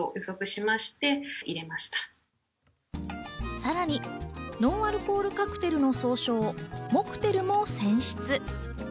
さらにノンアルコールカクテルの総称モクテルも選出。